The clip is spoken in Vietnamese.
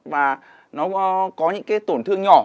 và nó có những cái tổn thương nhỏ